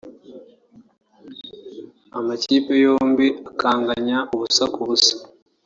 amakipe yombi akanganya ubusa ku busa